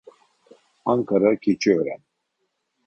Ankara Keçiören